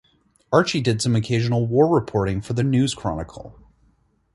Archie did some occasional war reporting for the "News Chronicle".